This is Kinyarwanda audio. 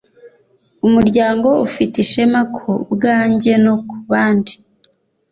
umuryango ufite ishema ku bwanjye no kubandi